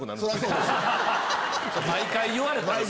毎回言われたら。